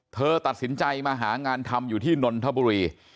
เธอตัดสินใจมาหางานทำอยู่ที่นนทบุรี